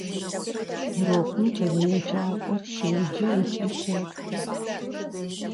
Урокым кӏэлэеджакӏор щеджэ ыкӏи щэтхэ.